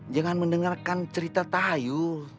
jangan mendengarkan cerita tayu